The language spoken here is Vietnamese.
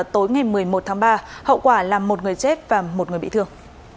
tối ngày một mươi một tháng ba hậu quả là một người chết và một người bị thương